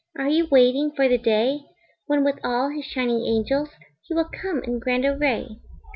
Are you waiting for the day When with all his shining angels He will come in grand array?